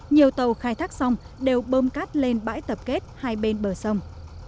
nhiều tàu khai thác xong đều bơm cát lên bãi tập kết hai bên bờ sông